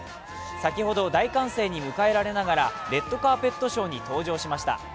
先ほど大歓声に迎えられながらレッドカーペットショーに登場しました。